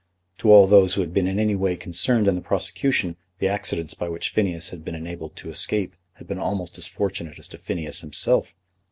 To all those who had been in any way concerned in the prosecution, the accidents by which Phineas had been enabled to escape had been almost as fortunate as to Phineas himself.